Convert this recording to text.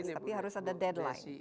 tapi harus ada deadline